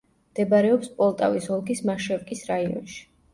მდებარეობს პოლტავის ოლქის მაშევკის რაიონში.